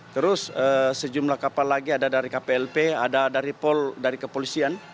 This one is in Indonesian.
terus sejumlah kapal lagi ada dari kplp ada dari pol dari kepolisian